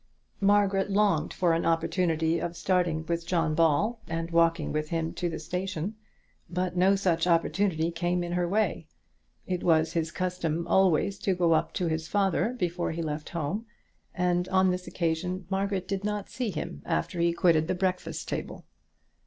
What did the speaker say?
Margaret longed for an opportunity of starting with John Ball, and walking with him to the station, but no such opportunity came in her way. It was his custom always to go up to his father before he left home, and on this occasion Margaret did not see him after he quitted the breakfast table.